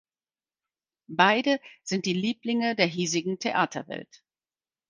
Beide sind die Lieblinge der hiesigen Theaterwelt.